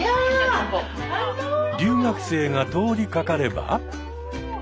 留学生が通りかかれば。